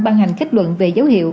ban hành kết luận về dấu hiệu